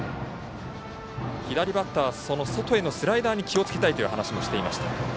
左バッターはその外へのスライダーに気をつけたいという話もしていました。